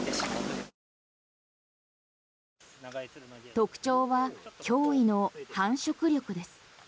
特徴は驚異の繁殖力です。